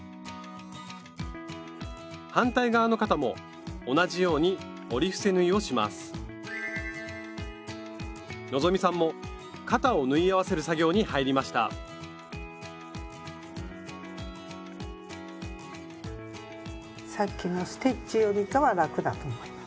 反対側の肩も同じように折り伏せ縫いをします希さんも肩を縫い合わせる作業に入りましたさっきのステッチよりかは楽だと思います。